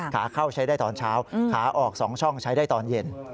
ขาเข้าใช้ได้ตอนเช้าขาออก๒ช่องใช้ได้ตอนเย็น